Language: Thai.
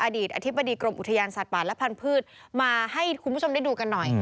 อดีตอธิบดีกรมอุทยานสัตว์ป่าและพันธุ์มาให้คุณผู้ชมได้ดูกันหน่อย